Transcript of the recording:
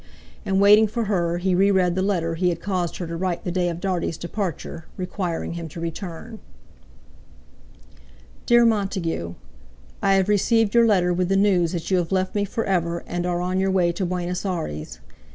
and waiting for her he re read the letter he had caused her to write the day of Dartie's departure, requiring him to return. "DEAR MONTAGUE, "I have received your letter with the news that you have left me for ever and are on your way to Buenos Aires.